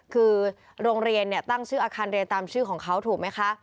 คือโรงเรียนตั้งชื่ออาคารเรียนตามชื่อของเขาถูกไหมคะ